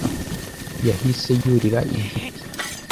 yahise yurira igiti.